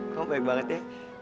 kamu baik banget ya